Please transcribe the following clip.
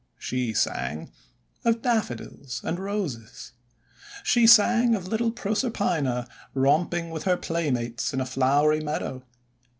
She sang of Daffodils and Roses. She sang of little Proserpina romping with her playmates in a flowery meadow.